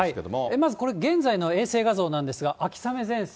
まずこれ、現在の衛星画像なんですが、秋雨前線、